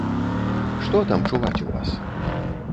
Што там чуваць у вас?